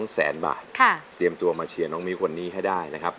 แสนบาทเตรียมตัวมาเชียร์น้องมิ้วคนนี้ให้ได้นะครับ